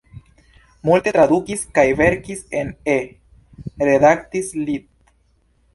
Multe tradukis kaj verkis en E, redaktis lit.